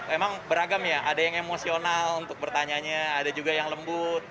emang beragam ya ada yang emosional untuk bertanya ada juga yang lembut